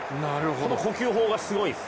この呼吸法がすごいんです。